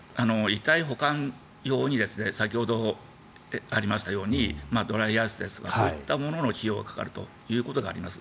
遺体保管用に先ほどありましたようにドライアイスですとかそういったものの費用がかかるということがあります。